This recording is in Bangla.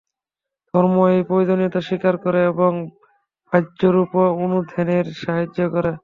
ধর্ম এই প্রয়োজনীয়তা স্বীকার করে এবং বাহ্যরূপও অনুধ্যানের সাহায্য করে।